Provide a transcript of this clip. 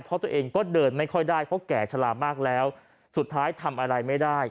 เพราะตัวเองก็เดินไม่ค่อยได้เพราะแก่ชะลามากแล้วสุดท้ายทำอะไรไม่ได้